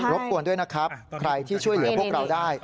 บกวนด้วยนะครับใครที่ช่วยเหลือพวกเราได้